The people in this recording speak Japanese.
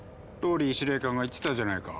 ＲＯＬＬＹ司令官が言ってたじゃないか。